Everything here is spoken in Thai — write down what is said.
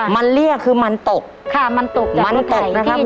มันเรียกคือมันตกค่ะมันตกมันตกนะครับ